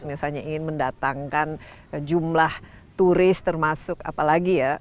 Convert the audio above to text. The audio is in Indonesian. misalnya ingin mendatangkan jumlah turis termasuk apalagi ya